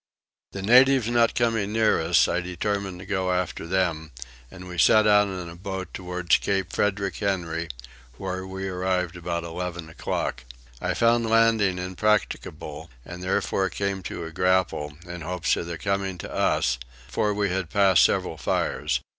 The natives not coming near us, I determined to go after them, and we set out in a boat towards Cape Frederick Henry, where we arrived about eleven o'clock. I found landing impracticable and therefore came to a grapnel, in hopes of their coming to us, for we had passed several fires.